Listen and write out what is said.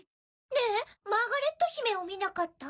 ねぇマーガレットひめをみなかった？